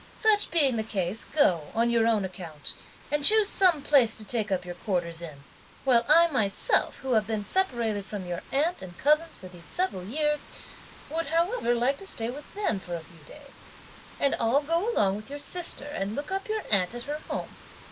Such being the case, go, on your own account, and choose some place to take up your quarters in, while I myself, who have been separated from your aunt and cousins for these several years, would however like to stay with them for a few days; and I'll go along with your sister and look up your aunt at her home.